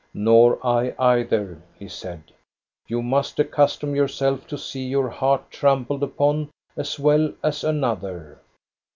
Nor I, either," he said. You must accustom yourself to see your heart trampled upon as well as another."